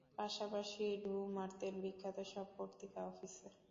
পাশাপাশি ঢুঁ মারতেন বিখ্যাত সব পত্রিকা অফিসে।